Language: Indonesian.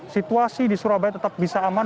situasi di surabaya tetap bisa aman